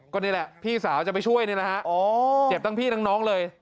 ก็นี่แหละพี่สาวจะไปช่วยนี่นะฮะเจ็บทั้งพี่ทั้งน้องเลย